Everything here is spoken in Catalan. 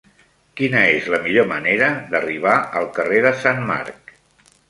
Quina és la millor manera d'arribar al carrer de Sant Marc?